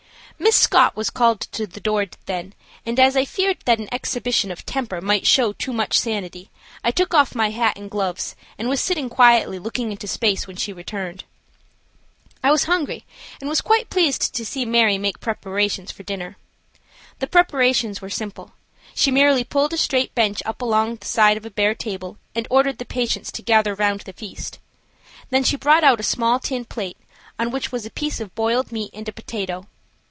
Miss Scott was called to the door then, and as I feared that an exhibition of temper might show too much sanity I took off my hat and gloves and was sitting quietly looking into space when she returned. I was hungry, and was quite pleased to see Mary make preparations for dinner. The preparations were simple. She merely pulled a straight bench up along the side of a bare table and ordered the patients to gather 'round the feast; then she brought out a small tin plate on which was a piece of boiled meat and a potato.